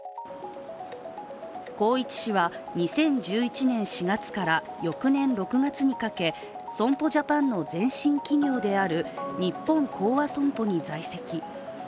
宏一氏は、２０１１年４月から翌年６月にかけ損保ジャパンの前身企業である日本興亜損保に在籍。